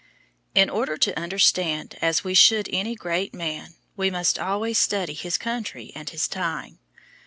In order to understand as we should any great man, we must always study his country and his time.